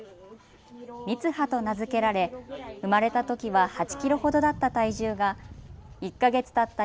みつはと名付けられ生まれたときは８キロほどだった体重が１か月たった